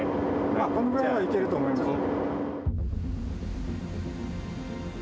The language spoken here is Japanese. まあこのぐらいならいけると思いますよ。